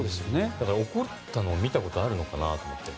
だから、怒ったのを見たことがあるのかなと。